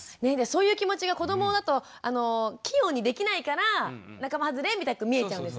そういう気持ちが子どもだと器用にできないから仲間はずれみたく見えちゃうんですね。